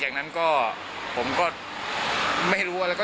ช่วยเร่งจับตัวคนร้ายให้ได้โดยเร่ง